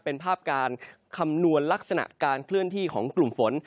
เป็นภาพการคำนวณลักษณะการเคลื่อนที่ของกลุ่มฝน